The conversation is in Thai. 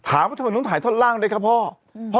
ถามว่าทำไมต้องถ่ายท่อนล่างด้วยคะพ่ออืม